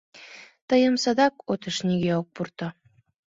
Тыйым садак отыш нигӧ ок пурто.